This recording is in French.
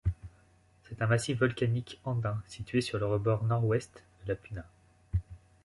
C'est un massif volcanique andin situé sur le rebord nord-ouest de la Puna.